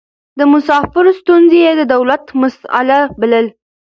د مسافرو ستونزې يې د دولت مسئله بلله.